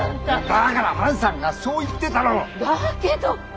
だから万さんがそう言ってたろう！だけど！